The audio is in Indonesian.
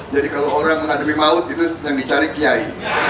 jadi kalau orang menghadapi maut itu yang dicari kiai